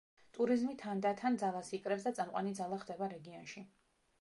ტურიზმი თანდათან ძალას იკრებს და წამყვანი ძალა ხდება რეგიონში.